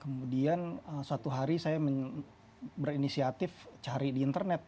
kemudian suatu hari saya berinisiatif cari di internet